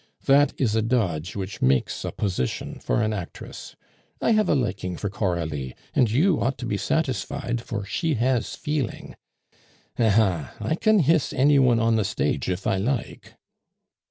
That is a dodge which makes a position for an actress. I have a liking for Coralie, and you ought to be satisfied, for she has feeling. Aha! I can hiss any one on the stage if I like."